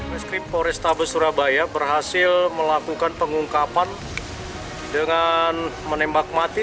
reskrim polrestabes surabaya berhasil melakukan pengungkapan dengan menembak mati